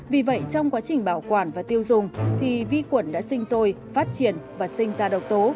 vì vậy trong quá trình bảo quản và tiêu dùng thì vi khuẩn đã sinh sôi phát triển và sinh ra độc tố